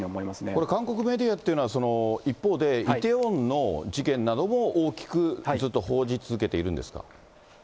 これ、韓国メディアというのは、一方で、イテウォンの事件なども大きくずっと報じ続けているんですか。